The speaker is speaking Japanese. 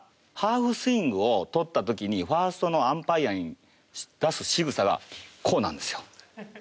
ハーフスイングをとった時にファーストのアンパイアに出すしぐさが、こうなんですよ。